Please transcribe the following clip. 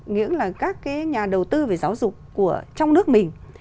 nghĩa là các cái nhà đầu tư về giáo dục trong nước mình